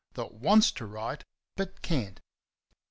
that wants to write, but can't.